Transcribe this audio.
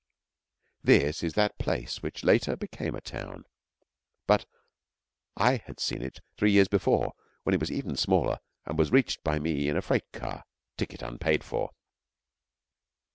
This is that place which later became a town; but I had seen it three years before when it was even smaller and was reached by me in a freight car, ticket unpaid for.